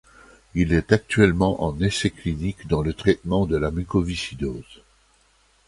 Il est actuellement en essai clinique dans le traitement de la mucoviscidose.